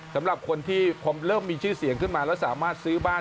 สำหรับคนที่พอเริ่มมีชื่อเสียงขึ้นมาแล้วสามารถซื้อบ้าน